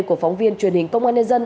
của phóng viên truyền hình công an nhân dân